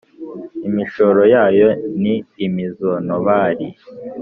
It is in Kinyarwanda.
imishoro yayo ni imizonobari.